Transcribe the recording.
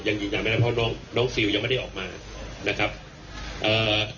ยืนยันไม่ได้เพราะน้องน้องซิลยังไม่ได้ออกมานะครับเอ่อ